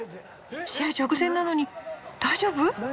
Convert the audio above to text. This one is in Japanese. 試合直前なのに大丈夫？